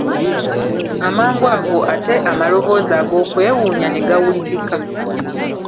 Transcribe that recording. Amangu ago ate amaloboozi ag'okwewuunya ne gawulikika.